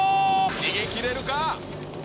逃げ切れるか。